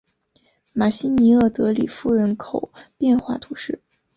马西尼厄德里夫人口变化图示